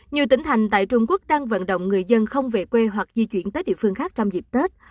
nhiều tỉnh thành tại trung quốc đang vận động người dân không về quê hoặc di chuyển tới địa phương khác trong dịp tết